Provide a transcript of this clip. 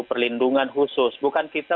perlindungan khusus bukan kita